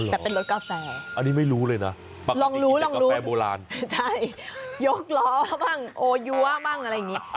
แต่เป็นรถกาแฟอันนี้ไม่รู้เลยนะลองรู้ใช่ยกล้อบ้างโอ้ยัวบ้างอะไรอย่างนี้